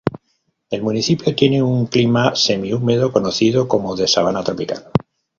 El municipio tiene un clima semi húmedo conocido como de sabana tropical.